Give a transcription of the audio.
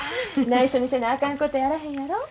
ないしょにせなあかんことやあらへんやろ。